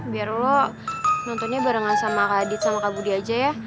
biar lo nontonnya barengan sama kak adit sama kak budi aja ya